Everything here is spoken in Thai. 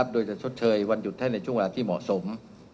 โดยจะชดเชยวันหยุดให้ในช่วงเวลาที่เหมาะสม